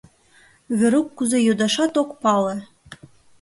— Верук кузе йодашат ок пале.